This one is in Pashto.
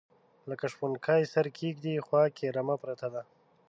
لکه شپونکي سره کیږدۍ خواکې رمه پرته ده